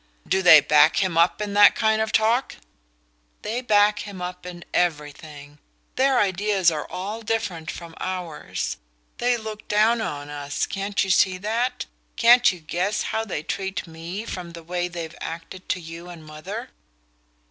"Do they back him up in that kind of talk?" "They back him up in everything. Their ideas are all different from ours. They look down on us can't you see that? Can't you guess how they treat me from the way they've acted to you and mother?"